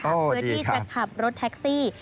เพื่อที่จะขับรถแท็กซี่